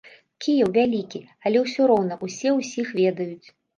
Кіеў вялікі, але ўсё роўна ўсе ўсіх ведаюць.